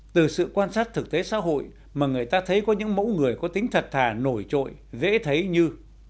từ sự quan sát thực tế xã hội mà người ta thấy có những mẫu người có tính thật thà nổi trội dễ thấy như